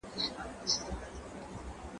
زه پرون مځکي ته ګورم وم؟